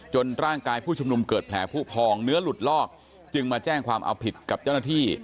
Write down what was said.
ร่างกายผู้ชุมนุมเกิดแผลผู้พองเนื้อหลุดลอกจึงมาแจ้งความเอาผิดกับเจ้าหน้าที่